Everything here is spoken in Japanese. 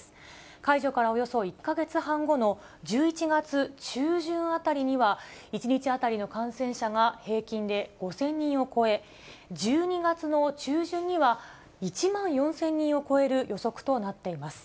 解除からおよそ１か月半後の１１月中旬あたりには、１日当たりの感染者が平均で５０００人を超え、１２月の中旬には、１万４０００人を超える予測となっています。